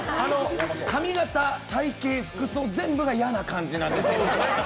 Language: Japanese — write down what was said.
髪形、体系、服装、全部が嫌な感じなんですよ。